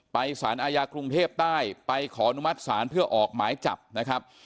สารอาญากรุงเทพใต้ไปขออนุมัติศาลเพื่อออกหมายจับนะครับ